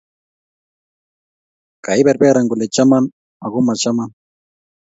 Kaiberberan kole chaman aku machaman